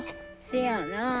せやなあ。